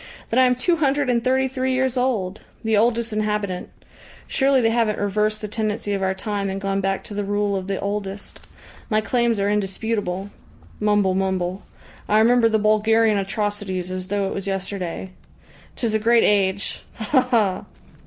"Then I am two hundred and thirty three years old! The oldest inhabitant. Surely they haven't reversed the tendency of our time and gone back to the rule of the oldest. My claims are indisputable. Mumble, mumble. I remember the Bulgarian atrocities as though it was yesterday. 'Tis a great age! Ha ha!"